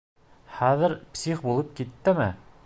Хәҙер псих булып киттеме?